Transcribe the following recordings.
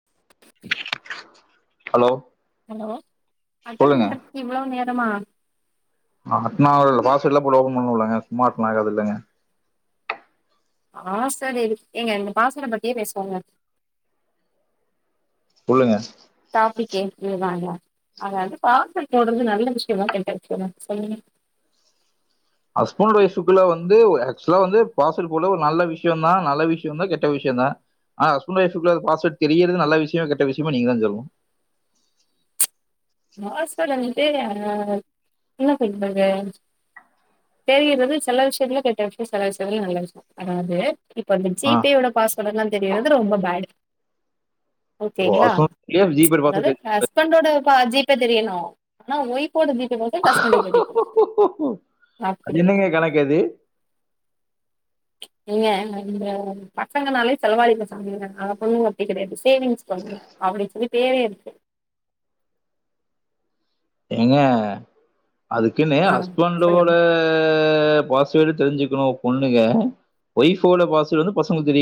[inaudible] Hello hello attend சொல்லுங்க பண்றதுக்கு இவ்ளோ நேர் ரமா ஆமா நா அதுல பாஸ் வோடுலா போட்டு ஓப்பன் பண்ணுல்லங்க சும்மா ஓப்பன் ஆகாதுல்லங்க ஆ சேரி எங்க இந்த பாஸ் வோட பத்தியே பேசுவோங்க சொல்லுங்க டாபிக்கே இதுதாங்க அதாவது பாஸ் வோடு போடுறது நல்ல விஷ்யமா கெட்ட விஷ்யமா சொல்லுங்க ஹஸ்பண்ட் ஒய்ஃபுக்குள்ள வந்து ஏக்சுவலா வந்து பாஸ்வோடு போல ஒரு நல்ல விஷ்யந்தா நல்ல விஷ்யந்தா கெட்ட விஷ்யந்தான் ஆனா ஹஸ்பண்ட் ஒய்ஃபுக்குள்ள பாஸ்வோடு தெரியிறது நல்ல விஷ்யமா கெட்ட விஷ்யமான் நீங்கதா சொல்னு பாஸ்வோடு வந்துட்டு அ என்ன சொல்றது தெரியிறது சில விஷ்யத்துல கெட்ட விஷ்யோ சில விஷ்யத்துல நல்ல விஷ்யோ ஆனா அது இப்ப இந்த ஆ ஜிபேயோட பாஸ்வேர்ட் எல்லாம் தெ ரியறது ரொம்ப பேடு ஓகேங்களா ஜிபே பாஸ்வேர்ட் அதாவது ஹஸ்பண்டோட ப ஜுப் தெரியணு ஆனா ஒய் போட ஜிபே பாஸ்வோடு ஷஸ்பண்டுக்கு [unintelligible] அது அப்புடி என்னங்க கணக்கு அது ஏங்க இந்த பசங்கனாலே செலவாயிருது [unintelligible] ஆனா பொண்ணுங்க அப்டி கெடையாது சேவிங்ஸ் பண்ணுவாங்க அப்டின் சொல்லி பேரே இருக்கு ஏங்க அதுக்குன்னு ஆ ஹஸ்பண்டோட சொல்லுங்க. ட பாஸ்வேடு தெருஞ்சுக்கணு பொண்ணுங்க ஒய்ஃப்போட பாஸ்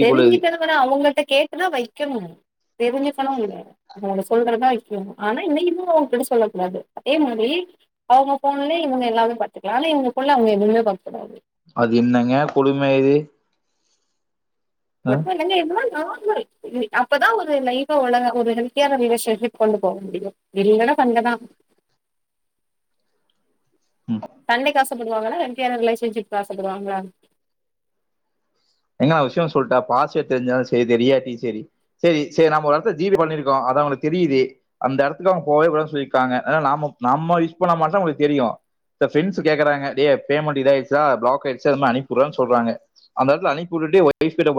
தெரிஞ்சுக்கறதவிட அவங்கள்ட்ட கேட்டுதான் வைக்கணும் தெரிஞ்சுக்கணும் இல்ல அவங்க சொல்றதான் இருக்கு ஆனா இன்ன இதுன்னவும் அவங்ககிட்ட சொல்லக்க கூடாது அதே மாரி அவங்க போன்ல இவங்க எல்லாமே பாத்துக்கலாம் இல்ல இவங்க போன்ல அவங்க எதுவுமே பாக்க கூடாது அது என்னங்க கொடுமை இது ஆ அப்றம் வந்து என்ன ஆச்சுன்னா அப்பதான் ஒரு லைவ் உலக ஒரு ஹெல்த கேர் ரிலேஷன்ஷிப் கொண்டு போக முடியும் இல்லனா சண்டைதான் ம் சண்டைக்கு ஆஷ் படுவாங்களா ஹெல்த்தியான ரிலேஷன்ஷிப்க்கு ஆசைப்படுவாங்களா என்னா விஷயம் சொல்லட்டான் பாஸ்வேர்ட் தெரிஞ்சாலும் சேரி தெரியாட்டியும் சேரி சேரி சேரி நாம ஒரு எடத்துல ஜிபே பண்ணிருக்கோம் அது உனக்கு தெரியுது அந்த எடத்துல போவே கூடாதுன்னு சொல்லிருக்காங்க ஆனா நாம நம்ம யூஸ்பண்ணா மட்டும் தெரியும் ஜென்சு கேக்குறாங்க அடேய் பேமெண்ட் இதையிருச்சா எக்ச்ட்ரா இருந்தா அனுப்பி விடுன்னு சொல்றாங்க அந்த எடத்துல அனுப் புல் இதையும் வைப் கிட்ட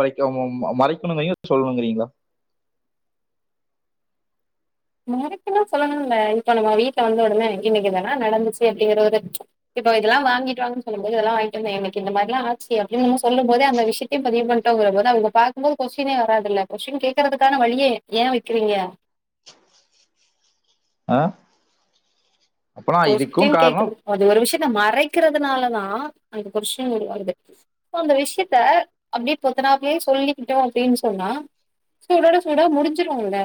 மறைக்கணும்ங்குறீங்கள சொல்லணும்ங்கிறீங்களா மறைக்கெல்லாம் சொல்லணும்ல்ல இப்போ நம்ம வீட்டுல வந்த உடனே இன்னைக்கு இதான் நடந்துச்சு அப்டிங்கறத இப்போ இதெல்லாம் வாங்கிட்டு வாங்கன்னு சொல்லும் போது இதெல்லாம் வாங்கிட்டு வந்தேன் இந்த மாதிரி எல்லாம் ஆச்சு அப்டின்னு நம்ம சொல்லும் போதே அந்த விஷயத்தையும் பதிவு பண்ணிட்டோங்கிற போது அவங்க பா்கும்போது கொஸ்டினே வராதுல்ல கொஷ்டின் கேட்கறதுக்கான வழியே ஏன் வைக்கறீங்க ஆஹ கொஷ்டின் கேக்கறது அது ஒரு விஷய இந்த மறைக்கிறதுனாலதான் அந்த கொஸ்டின் உருவாகுது அந்த விஷயத்த அப்படியே பொத்தனாப்பயே சொல்லிக்கிட்டோம் அப்டின்னு சொன்னா சூடோட சூட முடிஞ்சிரும்ல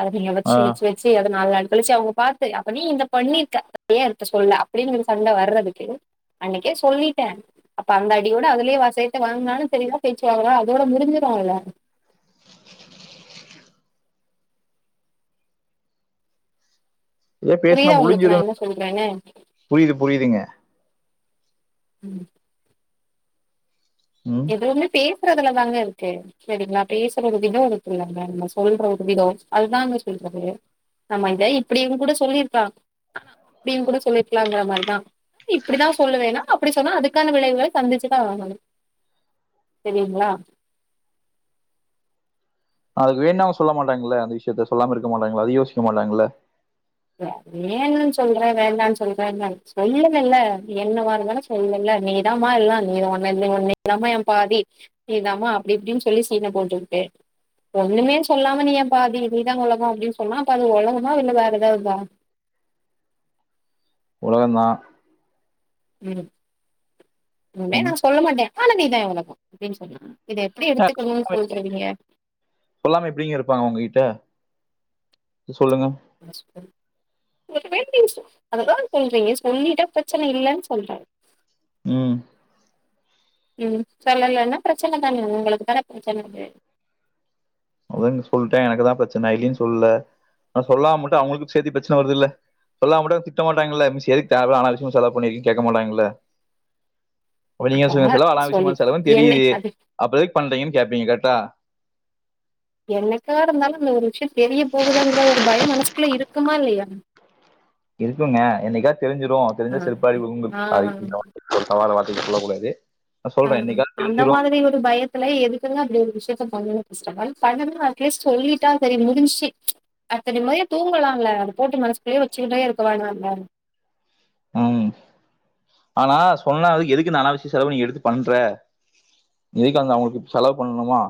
அதை நீங்க ஆ, வச்சு வச்சு வச்சு அது நாள் நாலு கழிச்சு அவங்க பார்த்து அப்ப நீ இந்த பண்ணிருக்ககேன் விவரத்த சொல்ல அப்படின்னு சண்டை வர்றதுக்கு அன்னைக்கே சொல்லிட்டேன் அப்ப அந்த அடியோட அதுலயே சேத்து வாங்கினான்னு தெரியதா பேச்சுவாங்களா அதோட முடிஞ்சுருவாங்க இதே பேசனா புரியுதா உங்களுக்கு நான் முடிஞ்சிரும் என்ன சொல்றேன்னு புரியுது புரியுதுங்க உம் ம் எது வந்து பேசு அதுலதாங்க இருக்கு சரிங்களா பேசுற ஒரு விதம் அதுக்குல்ல நம்ம சொல்ற ஒரு விதம் அதுதாங்க சொல்றது நம்ம இத இப்படியும் கூட சொல்லிருக்கலாம் அப்படனு கூட சொல்லிருக்கலாம் மாதிரிதான் இப்படிதான் சொல்லுவணா அப்படி சொன்னா அதுக்கான விளைவுகளை சந்திச்சுதான் ஆகனும் செரிங்களா அதுக்கு வேணாம சொல்ல மாட்டாங்கள்அல்ல அந்த விஷயத்த சொல்லாம இருக்க மாட்டாங்களா அது யோசிக்க மாட்டாங்கள வேணும் சொல்ற வேண்டாம்னு சொல்றேன் சொல்லுல்லுலநீ என்ன இருந்தாலும் சொல்லல நீதாம்ம எல்லாம் நீதான் இல்லலாம என் பாதி நீதாம்மா அப்படி இப்படின்னு சொல்லி சீன்னா போட்டு ஒண்ணு சொல்லாம நீ என் பாதி நீதான் உலகம் அப்படின்னு சொன்னாம் அப்ப அது உலகமா இல்லலை வேற ஏதாவது ஆ உலகந்தான் உம் உண்மைய நான் சொல்ல மாட்டேன்போங்க ஆனா இதுதான் உலகம்அப்படினு ஃசொல்லுங்க சொல்லாம எப்படிங்க இருப்பாங்க உங்ககிட்ட சொல்லுங்க ஆ அததான் சொல்றீங்க சொல்லிட்ட பிரச்சனை இல்லைன்னு சொல்றேன் உம் உஹம் சொல்லலன்னா பிரச்சனை தானே உங்களுக்கு தான பிரச்சனை இருக்கு அதுங்க சொல்லிட்டேன் எனக்குதான் பிரச்சனை இல்லன்னனு சொல்ல ஆனா சொல்லாம மட்டும் அவங்களுக்குசேர்த்து பிரச்சனை வருது இல்ல சொல்லாமட்டும் திட்ட மாட்டாங்களல்ல மிஸ் தேவை இல்லமா செலவு பண்ணிருக்க கேட்க மாட்டாங்களா அப்ப நீங்க சொல்லுங்க செலவு சொல் ஆனவிஷயமான செலவும் என்ன தெரியுது அது அப்பறதுக்கு பண்றீங்கன்னு கேட்பீங்க கரக்டா என்னக்கா இருந்தாலு அந்த ஒரு விஷய தெரிய போகுதாங்கிற ஒரு பயோ மனசுகுள்ளே இரு க்குமா இல்லையா இருக்குங்க என்னைக்கா தெரிஞ்சிரு ஆ, தெரிஞ்சா செறுபால அடி விழும்னு ஆ. சாரிங்க தவறானா வார்த்த சொல்லக் கூடாது ஆ அந்த மாதிரி ஒரு பயத்துல எதுக்குங்க அப்டி ஒரு விஷயத்த பண்ணனு ஸ்டாலின் பண்ணது அப்பயே சொல்லிட்டா சரி முடிஞ்ச்சு அத்தன மொறயா தூங்கலால அத போட்டு மனசுக்குள்ளயே வச்சுக்கிட்டே இருக்கவா நாங்க உம் ஆனா சொன்னா எதுக்கு அந்த அனாவசிய செலவு நீ எடுத்து பண்ற எதுக்கு அங்க அவுங்களுக்கு செலவு பண்ணணுமா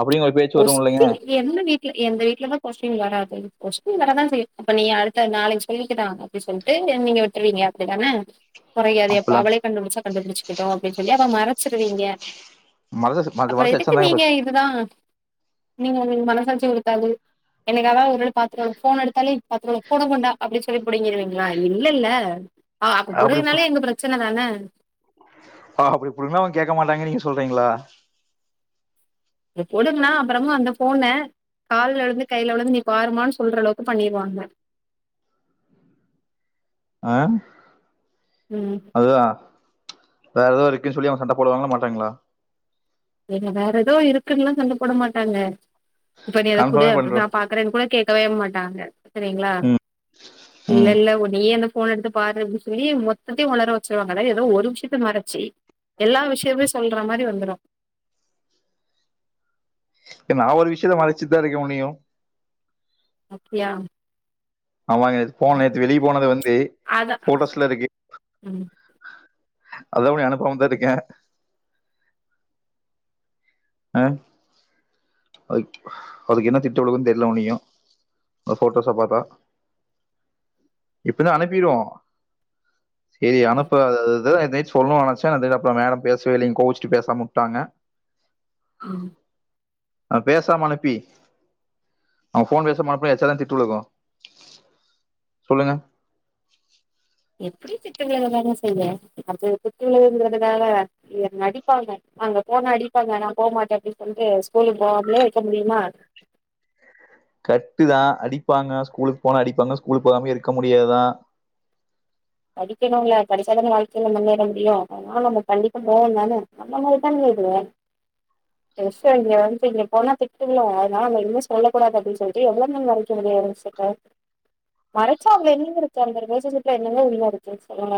அப்படிங்கிற ஒரு பேச்சு வரும் இல்லைங்க கொஸ்டின் எந்த வீட்ல எந்த வீட்டு்லதா கொஸ்டின் வராது கொஸ்டின் வரதா செய்யு அப்ப நீ அடுத்த நாளைக்கு சொல்லக்கல்லா அப்டின்னு சொல்லிட்டு நீங்க விட்ருவீங்க அப்டிதான கொறயாது எப்ப அப்பெல்லாம் அவளே கண்டுபுடிச்சா கண்டுபுடிச்சக்கட்டு அப்டின்னு சொல்லி அப்ப மறச்சி பிரிங்க மனசு மனசு அப்பற மனசு எதுக்கு வச்சிருந்தாங்க நீங்க போச்சு இதுதா நீங்க ஒங்களுக்கு மனசாட்சி உறுத்தாது எனக்காக ஒரு தடவ பாத்தவங்களுக்கு போன் எடுத்தாலே பாத்தவங்களுக்கு போன கொண்டா அப்டின்னு சொல்லி புடிங்கிருவீங்ளா இல்லல்ல ஆ அப்ப புடுங்குனாலே இங்க பிரச்சனதான ஆ அப்டி புடுங்கனா அவுங்க கேக்க மாட்டாங்கன்னு நீங்க சொல்றீங்ளா இது புடுங்னா அப்பறமா அந்த ஃபோன கால்ல விழுந்து கையில விழுந்து நீ பாருமான்னு சொல்ற அளவுக்கு பண்ணிருவாங்க ஆ அதுதா வேற ஏதாவது இருக்குன் சொல்லி அவுங்க சண்ட போடுவாங்ளா மாட்டாங்ளா என்ன வேற ஏதோ இருக்குன்னுல்லா சண்ட போட மாட்டாங்க இப்ப நீ அது குடு கன்ஃபார்மே அப்ப நா பண்றேன் பாக்குறே கூட கேக்கவே மாட்ட தாங்க சேரிங்ளா ம் இல்ல ம் இல்ல உன்னையே அந்த ஃபோன எடுத்து பாரு அப்டின்னு சொல்லி மொத்ததையு ஒளர வச்சருவாங்கதா ஏதோ ஒரு விஷயத்த மறச்சி எல்லா விஷயமே சொல்ற மாரி வந்துரு நா ஒரு விஷயத்த மறச்சித்தா இருக்கே உனையு அப்டியா ஆமாங்க போன நேத்து வெளிய போனது வந்து அதான் போட்டோஸ்ல இருக்கு ம், அதுத உன அனுப்பாம தா இருக்கே அ அது அதுக்கு என்ன திட்ட ஒழுக்குன் தெரியல உன்னையோ அ போட்டோஸா பாத்தா இப்ப என்ன அனுப்பிறுவோ சேரி ம், அனுப்பா தா அத ஏதோ நைட் சொல்லனு நெனச்ச அதுக்கப்பறோ மேடம் பேசவேயில்லங்க கோவிச்ட்டு பேசமா உட்டாங்க உம் அது பேசாம அனுப்பி அவ ஃபோன் பேசாம அனுப்ப எச்சாதா திட்டுவிழுகு சொல்லுங்க எப்படி திட்டுவாங்களா தானே செய்யும் ஸ்கூல்ல அது நடிப்பாங்க அங்க போன அடிப்பாங்க ஆனா போமாட்டே அப்படின்னு சொல்றேன் ஸ்கூலுக்கு போவங்களே அப்படியே இருக்க முடியுமா கரட்டுதான் அடிப்பாங்க ஸ்கூலுக்கு போன அடிப்பாங்க ஸ்கூலுக்கு போகாமே இருக்க முடியாது தான் படிக்கனும்ல்ல படிச்சாதானே வாழ்க்கையில முன்னேற முடியும் அதனால நம்ம கண்டிப்ப போவோம் தானே நம்ம மாதிரி தானது இங்க வந்து போனா திட்டுவிழும் அதனால நம்ம இனிமே சொல்ல கூடாது அப்படின்னு சொல்லிட்டு எவளவு நாள் வாழ்க முடிய இருச்சு மறைச்சா அவங்க எனங்க இருக்கு அந்த ரிலேஷன்சிப்ல என்ன ஆச்சி சொல்லுங்க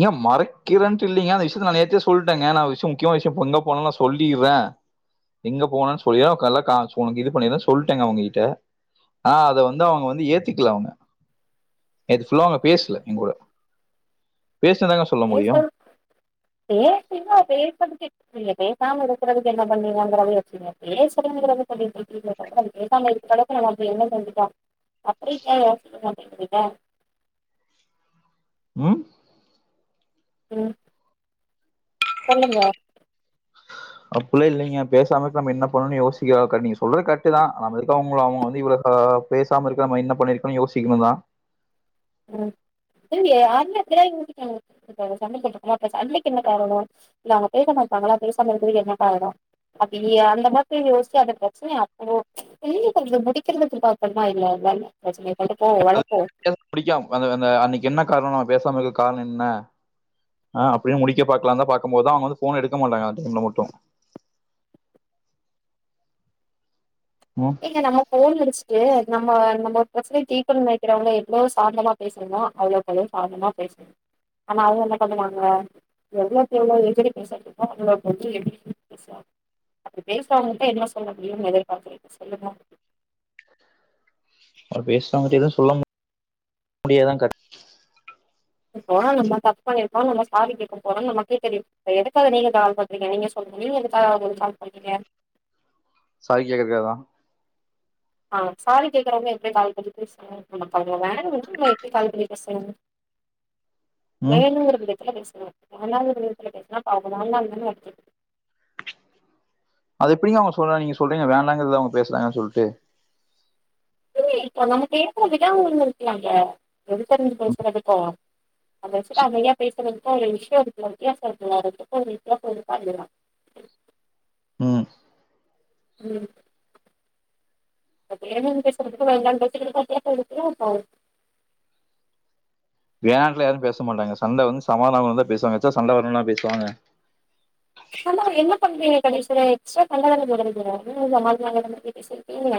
ஏங்க மறைக்கிறேன்ட்டு இல்லைங்க அந்த விஷயத்த நாளே நேத்த சொல்லுட்டேங்க நான் விஷயே முக்கியே விஷயப்ப எங்க போனும்ல்லா சொல்லிடுறேன் எங்க போனுன்னு சொல்லியே கலக்காசு உனக்கு இது பண்ணிற சொல்லிட்டேங்க அவங்ககிட்ட ஆனா அத வந்து அவங்க வந்து ஏத்திக்கல அவங்க நேத்து புல்ல அவங்க பேசல எங்க கூட பேசினதாங்க சொல்ல முடியும் பேசலாம் பேசிக் அ பேசுறதுக்கே என்ன நார்மல் அ பேசுறத இருந்தாலுமே பேசல அப்டின்றது [unintelligible] ம் ம் சொல்லுங்க அப்படிலாம் இல்லங்க பேசாம இருந்தா நம்ம என்ன பண்ணணும்னு யோசிக்கிற நீங்க சொல்ற கரட்டு தான் நம்ம இருக்கறங்களும் அவங்கள வந்து இவ்வள பேசாம இருக்கற நம்மயேன்ன பண்ணியிருக்கணும் யோசிக்கணுல்லா ம் செரிங்க யாருனே தெரியாது சண்டைக்கு என்ன காரணம் இல்ல அவங்க பேச மாட்டாங்களா பேசாம இருக்குறதுக்கு என்ன காரணம் அப்டியிலையா அந்த மாதிரி யோசிச்சு அந்த பிரச்சனைய அவ்ளோ சீக்கிரமா முடிக்கணும்னு பாக்கணும்ம இல்லையா போ வளப்போம் பிடிக்க அந்த அந்த அன்னைக்கு என்ன காரணோம் பேசாமல் இருக்க காரண என்ன ஆஹ் அப்படின்னு முடிக்க பாக்கலாந்தான் பார்க்கும் போதுதான் அவங்க வந்து போன் எடுக்க முடியலங்க அந்த டைம்ல மட்டும் ம் ஏங்க நம்ம போன் அடிச்ச இது நம்ம நம்ம ஒரு பிரச்சனை திக்கணும்னு நெனைக்கிறவங்க எவ்வளோ சாந்தமா பேசுணோ அவ்வளோ கொஞ்சம் சாந்தமாக பேசுணும் ஆனா அது என்ன பண்ணம் நாங்கள் எவ்வளோக்கு எவ்வளோ எகிரி பேசட்டு இருக்கோம் அவ்வளோ கொஞ்சம் எப்படி பேசலாம் அப்படி பேசுறவங்களங்கிட்ட என்ன சொல்ல முடியும்னு எதிர்பார்குறீங்க சார் சொல்லுங்க அவ பேசறவங்கிட்ட எதவும் சொல்ல முடியாதான் கரெக்டு நம்ம தப்பு பண்ணி இருக்கோம் நம்ம சாரி கேட்க போறோம் நம்ம எதுக்கா நீங்க கால் பண்றீங்க நீங்க சொல்லுங்க நீங்க எதுக்காக கால் பண்ணீங்க சாரி கேக்குறதுக் காக தான் ஆஹ் சாரி கேக்குறவங்க எப்படி கால் பண்ணிட்டு பேசுவங்க நமக்க வேன எப்படி கால் பண்ணி பேச சொல்ல ம் பயங்கர பில்டப்ல பேசுவங்க நான் தான் இது பண்ணி இருக்க மாட்டேன் அய்யோ ஓ பாவம் அது எப்படிங்க அவங்க சொல்லாம் நீங்க சொல்றீங்க வேண்டாங்கறத அவங்க பேசுறாங்கன்னு சொல்லிட்டு இல்ல இப்போ நாம பேசுற விதம்ன்னு ஒன்னு இருக்குல்ல ஒருத்தருக்கு ஒருத்தர் இருப்போம் அந்த விசியத்த அமைதியா பேசிட்டு இப்போ ஒரு விசியம் கேட்கணும்றப்ப கோவம் வருமா இல்லையா உஹம் உம் கேள்வி கேட்குறதுக்கும் என்னனு கேட்குறதுக்கும் வித்தியாசம் இருக்கா இல்லையா என்கிட்ட யாரும் பேச மாட்டாங்க சண்ட வந்து சமாதானம் பேசுவாங்க இல்லாச்சு சண்ட வரணும்னா பேசுவாங்க இப்பயுமே என்ன பண்றீங்க கடைசியா எக்ஸ்ட்ரா பிரச்சனைய பெருசாக தானே சமாளிக்க பாக்குறீங்க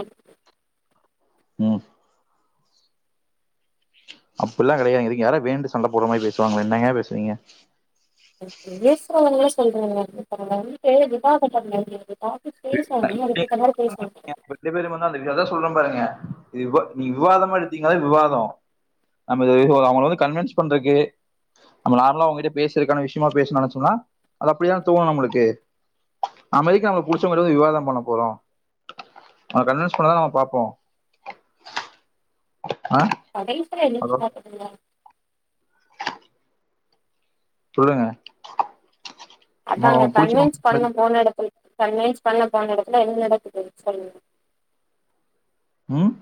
உம் அப்டில்லாம் கிடையாதுங்க இதுங்க யாரும் வேனுண்டு சண்ட போட்ற மாரி பேசுவாங்கள என்னங்க பேசுரிங்க பேசுறவங்கள தான் சொல்றேங்க இப்ப விவாதம் பண்ணவா இருக்கோம் ரெண்டு பேருமே அதான் சொல்றேன் பாருங்க நீ விவாதமா எடுத்தீங்க விவாதம் நம்ம அவங்க வந்து கன்வின்ஸ் பண்றக்கு நம்ம நார்மலா அவங்க கிட்ட பேசுறதுக்கான விஷயமா பேசனோம்னு சொன்னா அது அப்படிதான் தோணும் நம்மளுக்கு அத மாதிரிக்கு நம்ம பிடிச்சவங்கட்ட தான் விவாதம் பண்ண போறோம் கன்வின்ஸ் பண்ணதா நம்ம பாப்போம் கடைசியா என்ன சொன்னாங்க தெரியுமா சொல்லுங்க நம்ம அதாங்க அவங்க கன்வின்ஸ் புடிச்சவங்க பண்ண போன எடத்துல கன்வின்ஸ் பண்ண போன எடத்துல என்ன நடக்குது சொல்லுங்க ம்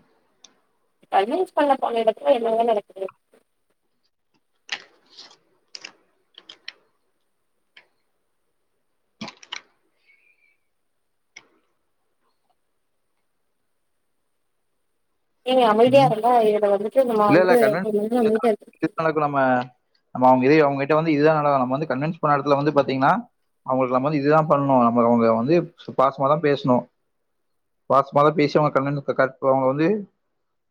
கன்வின்ஸ் பண்ண போன எடத்துல என்னங்க நடக்குது நீங்க அமைதியா ம். இருந்தா இவங்க வந்துட்டு நம்ம இல்ல இல்ல வந்து கன்வின்ஸ் ஒரு இதுல அமைதியா [inaudible] நடக்கும் நம்ம நம்ம அவங்க இதே அவங்க கிட்ட வந்து இதுதா நடக்கு நம்ம வந்து கன்வின்ஸ் பண்ண எடத்துல வந்து பாத்தீங்ன்னா அவங்களுக்கு நம்ம வந்து இதுதா பண்ணணு நம்ம அவங்கள வந்து பாசமாதா பேசணு பாசமாதா பேசி அவங்க கன்வின் க கரெக்ட் பண்ணனு அவங்க வந்து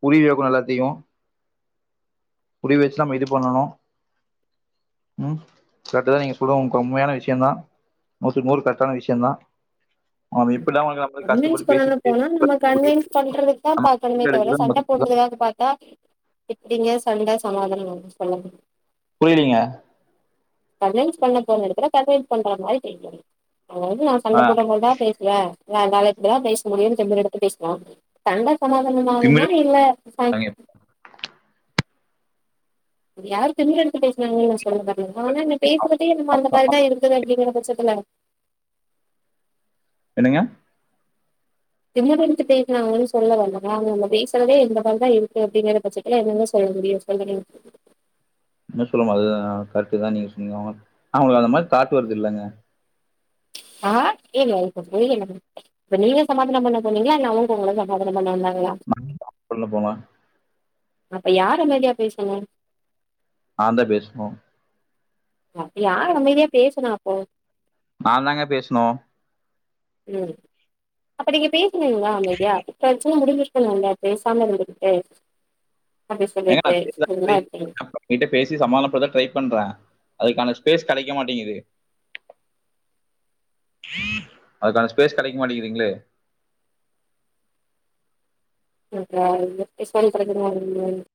புரிய வைக்கணு எல்லாத்தையு புரிய வச்சு நம்ம இது பண்ணணு ம் கரெட்டுதா நீங்க சொல்றது உங்க்கு ஒரு உண்மையான விஷயந்தா நூத்துக்கு நூறு கரெக்டான விஷயந்தா அது இ கன்வின்ஸ் பண்ணணு போனா நம்ம புரிய கன்வின்ஸ் பண்றதுக்குதா பாக்கணுமே தவிர சண்ட போடுறதுக்காக பாத்தா எ ப்டிங்க சண்ட சமாதானோ ஆகு சொல்லுங்க புரியிலிங்க கன்வின்ஸ் பண்ண போன எடத்துல கன்வின்ஸ் பண்ற மாரி [unintelligible] அதாவது நா சண்ட ஆ போட்ற மாரிதா பேசுவ ஆ என்னால இப்டிதா பேச முடியுன்னு திமிரு எடுத்து பேசுனா சண்ட சமாதானம் ஆகுமா திமிழ் இல்ல ச அது யாரு திமிரு எடுத்து பேசு னாங்கனு நா சொல்ல வரல ஆனா நீ பேசுறதே அந்த மார அந்த மாரிதா இருக்குது அப்டிங்கிற பட்சத்துல என்னங்க திமிரு எடுத்து பேசுனாங்கனு சொல்ல வல்லங்க அங்க நம்ம பேசறதே இந்த மாரிதா இருக்கு அப்டிங்கிற பட்சத்துல என்னங்க சொல்ல முடியு சொல்லுங்க நீங்க சொல்ற மாரிதா கரெட்டுதா நீங்க சொன்னது அவங்களு அந்த மாரி தாட்டு வருது இல்லங்க ஆ ஏங்க எனக்கு ஒன்னு புரியலங்க இப்ப நீங்க சமாதானோ பண்ண போனீங்களா இல்ல அவங்க உங்கள சமாதானோ பண்ண வந்தாங் [inaudible] சொல்ல போனா அப்ப யாரு அமைதியா பேசணு நாந்தா பேசுணு அப்ப யார் அமைதியா பேசணு அப்போ நாந்தாங்க பேசணு ம் அப்ப நீங்க பே சுனீங்களா அமைதியா பிரச்சன முடிஞ்சி ருக்கனுல்ல பேசாம இருந்துக்கிட்டு ஏங்க நா [inaudible] பேசி சமாதானப்படுத்ததா ட்ரை பண்றே அதுக்கான ஸ்பேஸ் கெடைக்க மாட்டேங்குது அதுக்கான ஸ்பேஸ் கெடைக்க மாட்டேங்குதுங்களே இங்க எப்பிடி சொல்றதுன்னு